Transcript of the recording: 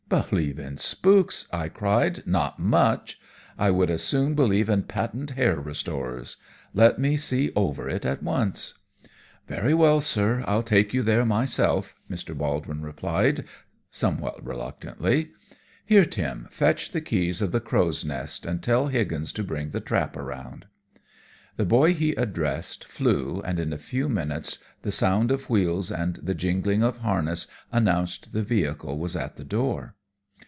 "Believe in spooks!" I cried. "Not much. I would as soon believe in patent hair restorers. Let me see over it at once." "Very well, sir. I'll take you there myself," Mr. Baldwin replied, somewhat reluctantly. "Here, Tim fetch the keys of the Crow's Nest and tell Higgins to bring the trap round." The boy he addressed flew, and in a few minutes the sound of wheels and the jingling of harness announced the vehicle was at the door.